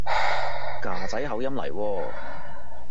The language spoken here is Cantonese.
㗎仔口音嚟喎